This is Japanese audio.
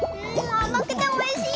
あまくておいしい！